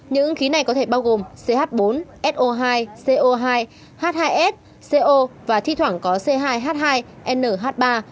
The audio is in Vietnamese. những ứng khí này có thể bao gồm ch bốn so hai co hai h hai s co và thi thoảng có c hai h hai nh ba